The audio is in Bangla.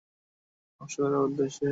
অর্থাৎ তাদেরকে ধ্বংস করার উদ্দেশ্যে।